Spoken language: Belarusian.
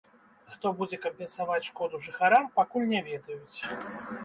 Хто будзе кампенсаваць шкоду жыхарам, пакуль не ведаюць.